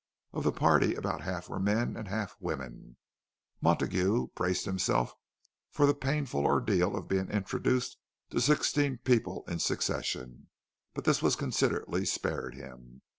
Of the party, about half were men and half women. Montague braced himself for the painful ordeal of being introduced to sixteen people in succession, but this was considerately spared him.